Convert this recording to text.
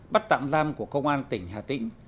bắt tạm giam của công an tỉnh hà tĩnh